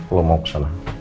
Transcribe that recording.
kalau mau kesana